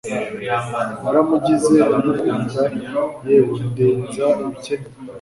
naramugize ndamukunda yewe ndenza ibikenewe